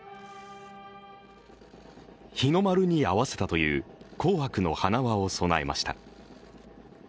日の丸に合わせたという紅白の花輪を供えました。